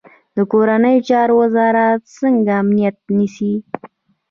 کورنیو چارو وزارت څنګه امنیت نیسي؟